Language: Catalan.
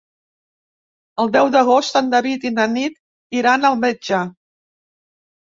El deu d'agost en David i na Nit iran al metge.